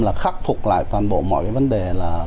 là khắc phục lại toàn bộ mọi vấn đề